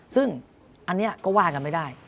ซึ่งอันนี้ก็ว่ากันไม่ได้